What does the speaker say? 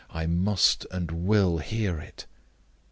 I must and will hear it!"